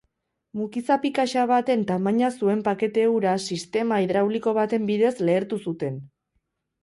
Mukizapi kaxa baten tamaina zuen pakete hura sistema hidrauliko baten bidez lehertu zuten.